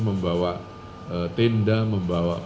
membawa tindang membawa bahan